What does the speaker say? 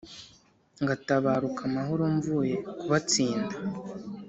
ngatabaruka amahoro mvuye kubatsinda